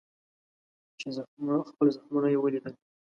خپل زخمونه یې لیدل.